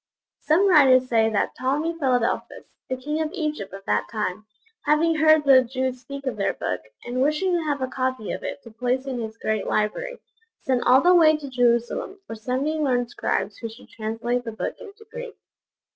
Some writers say that Ptolemy Philadelphus, the king of Egypt of that time, having heard the Jews speak of their Book, and wishing to have a copy of it to place in his great library, sent all the way to Jerusalem for seventy learned scribes who should translate the Book into Greek.